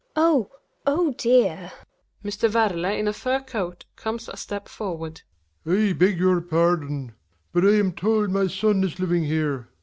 Oh I oh, dear I Mr, Werle in a fur coat comes a step/orward. Werle. I beg your pardon; but I am told my son ie living here.